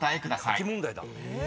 書き問題だ。